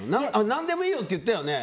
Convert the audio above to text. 何でもいいよって言ったよね？